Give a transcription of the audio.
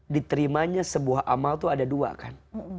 diterimanya sebuah amal itu ada dua kan